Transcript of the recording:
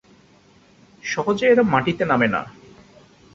সহজে এরা মাটিতে নামে না।